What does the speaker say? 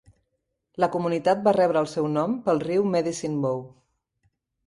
La comunitat va rebre el seu nom pel riu Medicine Bow.